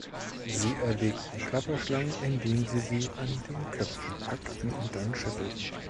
Sie erlegen Klapperschlangen, indem sie sie an den Köpfen packen und dann schütteln.